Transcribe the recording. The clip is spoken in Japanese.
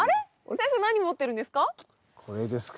先生何持ってるんですか？